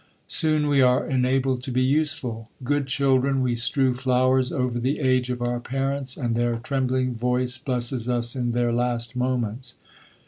^ Soon we are enabled to be useful. Good children, ' we strew flowers over the age of our parents, and their •.. trembling voice blesses us in their last moments.